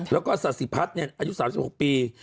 แล้วก็ศาสิพัฒน์อายุ๓๖ปี